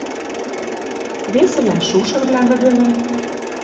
Весӹвлӓн шушырвлӓм вӹдӹлӹн.